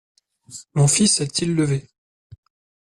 Mon fils est-il levé ?